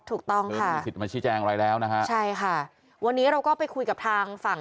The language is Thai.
ถูกต้องค่ะใช่ค่ะวันนี้เราก็ไปคุยกับทางฝั่ง